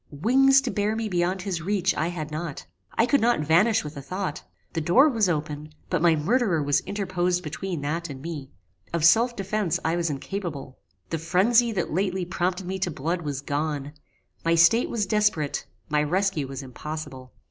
Wings to bear me beyond his reach I had not. I could not vanish with a thought. The door was open, but my murderer was interposed between that and me. Of self defence I was incapable. The phrenzy that lately prompted me to blood was gone; my state was desperate; my rescue was impossible.